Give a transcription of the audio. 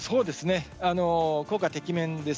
効果てきめんです。